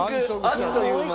あっという間に。